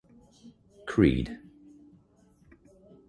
Creed?